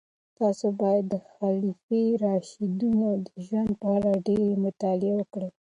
تاسو باید د خلفای راشدینو د ژوند په اړه ډېرې مطالعې وکړئ.